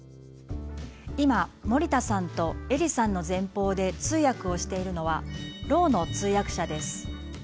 今森田さんと映里さんの前方で通訳をしているのはろうの通訳者です。